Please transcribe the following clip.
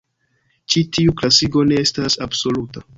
Ĉi tiu klasigo ne estas absoluta.